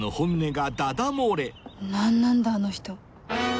何なんだあの人。